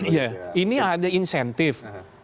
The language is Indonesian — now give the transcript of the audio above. iya ini ada insentif